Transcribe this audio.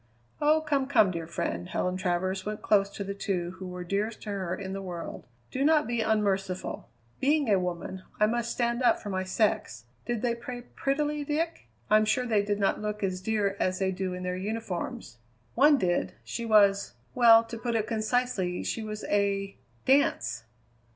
"Oh, come, come, dear friend!" Helen Travers went close to the two who were dearest to her in the world. "Do not be unmerciful. Being a woman, I must stand up for my sex. Did they play prettily, Dick? I'm sure they did not look as dear as they do in their uniforms." "One did. She was well, to put it concisely, she was a dance!"